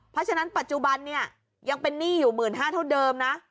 เพราะฉะนั้นปัจจุบันเนี่ยยังเป็นหนี้อยู่๑๕๐๐เท่าเดิมนะ